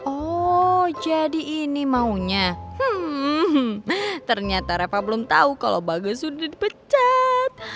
oh jadi ini maunya hmm ternyata reva belum tau kalo bagas udah dipecat